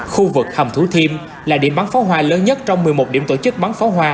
khu vực hầm thủ thiêm là điểm bắn pháo hoa lớn nhất trong một mươi một điểm tổ chức bắn pháo hoa